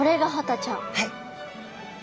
はい！